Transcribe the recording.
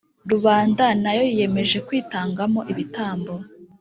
rubanda nayo yiyemeje kwitanga mo ibitambo.